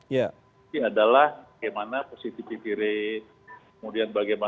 ya jadi terima kasih ya